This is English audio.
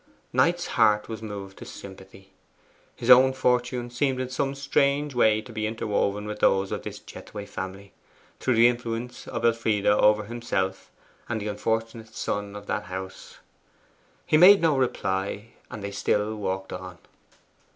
Knight's heart was moved to sympathy. His own fortunes seemed in some strange way to be interwoven with those of this Jethway family, through the influence of Elfride over himself and the unfortunate son of that house. He made no reply, and they still walked on.